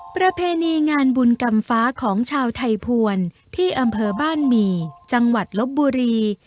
ประเพณีงานบุญกรรมฟ้าของชาวไทยภวรที่อำเภอบ้านหมี่จังหวัดลบบุรี